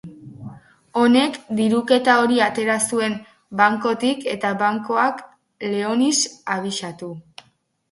Honek diruketa hori atera zuen bankotik eta bankoak Leonis abisatu.